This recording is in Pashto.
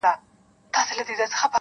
• چا راوستي وي وزګړي او چا مږونه..